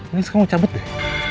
nih sekarang lo cabut deh